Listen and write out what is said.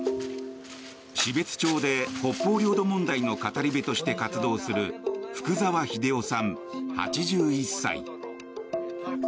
標津町で北方領土問題の語り部として活動する福沢英雄さん、８１歳。